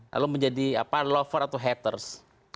lalu menjadi lover atau haters